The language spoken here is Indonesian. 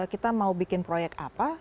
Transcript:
kita mau bikin proyek apa